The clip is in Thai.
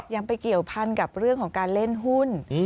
ยังไปเกี่ยวพันกับเรื่องของการเล่นหุ้น